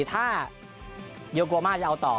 ถ้าโยโกมาจะเอาต่อ